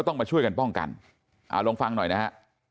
ต้องมาช่วยกันป้องกันลองฟังหน่อยนะฮะ